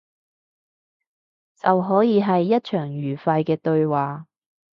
就可以係一場愉快嘅對話